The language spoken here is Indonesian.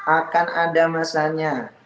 akan ada masanya